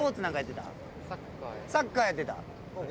サッカーやってた。